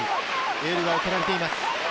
エールが送られています。